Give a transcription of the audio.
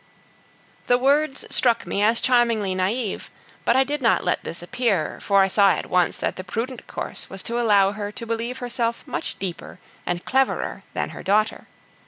The words struck me as charmingly naive, but I did not let this appear, for I saw at once that the prudent course was to allow her to believe herself much deeper and cleverer than her daughter.